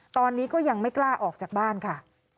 ตอนนี้ก็ยังไม่กล้าออกจากบ้านค่ะ